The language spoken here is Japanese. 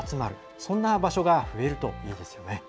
そんな場所が増えるといいですよね。